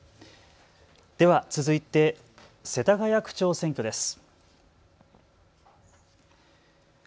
では続いて、世田谷区長選挙です。